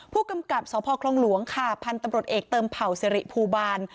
ผู้กำกับสพคลองหลวงค่ะพันธุ์ตำรวจเอกเติมเผ่าสิริภูบาล